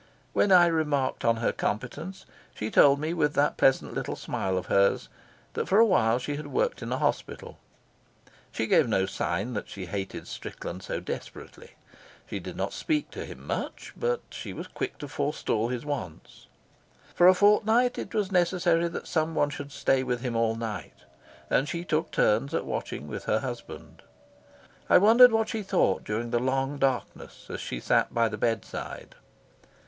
When I remarked on her competence, she told me with that pleasant little smile of hers that for a while she had worked in a hospital. She gave no sign that she hated Strickland so desperately. She did not speak to him much, but she was quick to forestall his wants. For a fortnight it was necessary that someone should stay with him all night, and she took turns at watching with her husband. I wondered what she thought during the long darkness as she sat by the bedside.